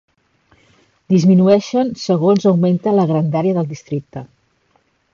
Disminueixen segons augmenta la grandària del districte.